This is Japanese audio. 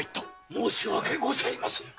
申し訳ございませぬ。